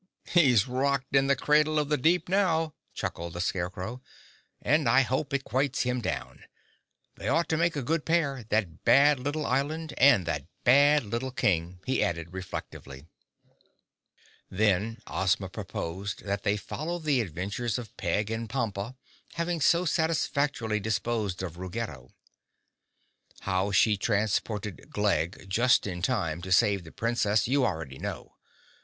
"He's rocked in the cradle of the deep now," chuckled the Scarecrow. "And I hope it quiets him down. They ought to make a good pair—that bad little Island and that bad little King," he added reflectively. [Illustration: "I guess that will be Ruggedo's last rock," said Dorothy] Then Ozma proposed that they follow the adventures of Peg and Pompa, having so satisfactorily disposed of Ruggedo. How she transported Glegg just in time to save the Princess you already know.